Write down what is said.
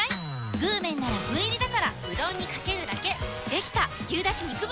具麺なら具入りだからうどんにかけるだけできた！